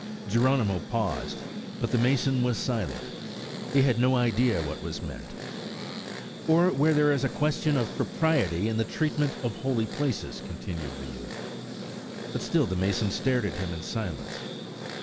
Geronimo paused; but the mason was silent–he had no idea what was meant. "Or where there is a question of propriety in the treatment of holy places," continued the youth; but still the mason stared at him in silence.